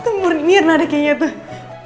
temur mirna deh kayaknya tuh